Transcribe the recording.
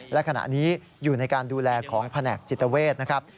และขณะนี้อยู่ในการดูแลของแผนกจิตเวทนะครับ